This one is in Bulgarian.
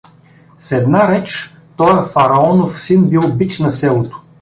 С една реч, тоя фараонов син бил бич на селото.